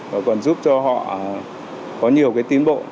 mà còn giúp cho họ có nhiều cái tiến bộ